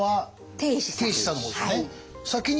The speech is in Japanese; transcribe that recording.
定子さんの方ですよね。